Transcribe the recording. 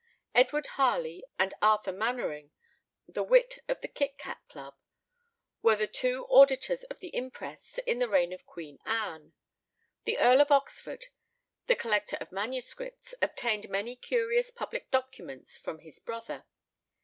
Edward Harley and Arthur Maynwaring (the wit of the Kit Cat Club) were the two Auditors of the Imprests in the reign of Queen Anne. The Earl of Oxford, the collector of MSS., obtained many curious public documents from his brother.